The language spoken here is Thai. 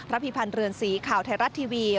พิพันธ์เรือนสีข่าวไทยรัฐทีวี